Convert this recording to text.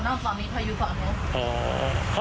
ที่นี่มีปัญหา